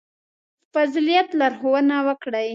• په فضیلت لارښوونه وکړئ.